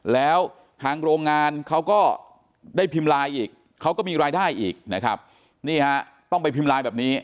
แล้วทางโรงงานเขาก็ได้พิมพ์ไลน์อีกเขาก็มีรายได้อีกนะครับนี่ฮะต้องไปพิมพ์ไลน์แบบนี้